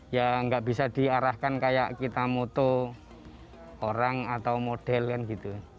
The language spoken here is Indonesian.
ya nggak bisa diarahkan kayak kita moto orang atau model kan gitu